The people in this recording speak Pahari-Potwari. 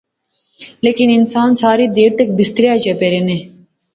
لیکن انسان سارے دیر تک بستریاں اچ پے رہنے